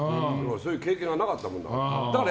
そういう経験がなかったものだから。